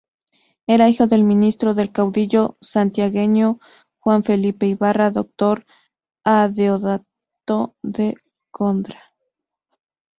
Era hijo del ministro del caudillo santiagueño Juan Felipe Ibarra, doctor Adeodato de Gondra.